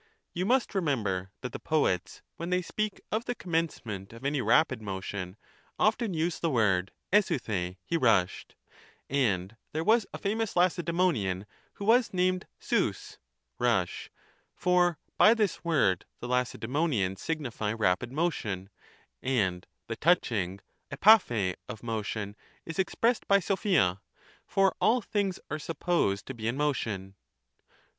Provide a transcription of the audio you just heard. You must remember that the poets, when they speak of the commencement of any rapid motion, often use the word tavBr] (he rushed) ; and there was a famous Lacedaemonian who was named 2ovf (Rush), for by this word the Lacedaemonians signify rapid motion, and the touching (ftTra^?/) of motion is expressed by ao(pia, for all things are supposed to be in motion.